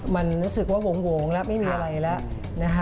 มันรู้สึกว่าโหงแล้วไม่มีอะไรแล้วนะคะ